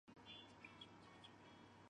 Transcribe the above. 坦皮科受到气旋重创。